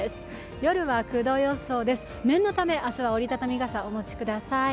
夜は９度予想です、念のため明日は折りたたみ傘お持ちください。